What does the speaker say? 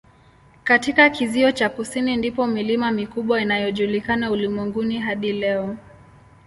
Katika kizio cha kusini ndipo milima mikubwa inayojulikana ulimwenguni hadi leo.